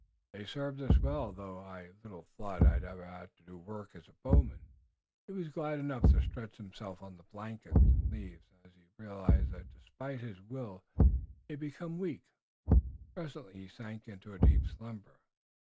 They've served us well, though I little thought I'd ever have to do work as a bowman." He was glad enough to stretch himself on the blanket and leaves, as he realized that despite his will he had become weak. Presently he sank into a deep slumber.